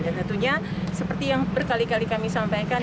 dan tentunya seperti yang berkali kali kami sampaikan